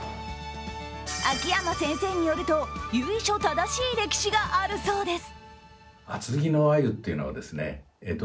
秋山先生によると、由緒正しい歴史があるそうです。